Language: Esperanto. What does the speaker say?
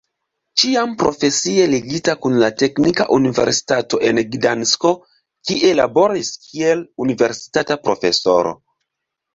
Ĉiam profesie ligita kun la Teknika Universitato en Gdansko, kie laboris kiel universitata profesoro.